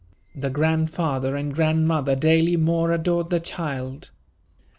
The grandfather and grandmother daily more adored the child.